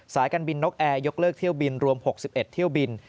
การบินนกแอร์ยกเลิกเที่ยวบินรวม๖๑เที่ยวบิน